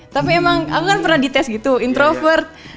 tapi emang aku kan pernah dites gitu introvert